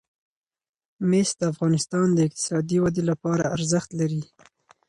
مس د افغانستان د اقتصادي ودې لپاره ارزښت لري.